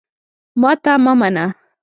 ماته مه منه !